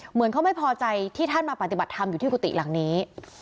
เหมือนเขาไม่พอใจที่ท่านมาปฏิบัติธรรมอยู่ที่กุฏิหลังนี้